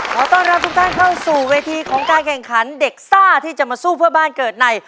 ขอต้อนรับทุกท่านเข้าสู่เวทีของการแข่งขันเด็กซ่าที่จะมาสู้เพื่อบ้านเกิดใน